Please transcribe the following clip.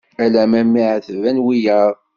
Ala mi εetben wiyaḍ.